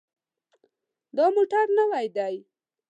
دا موټر نوی دی.